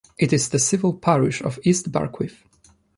It is in the civil parish of East Barkwith.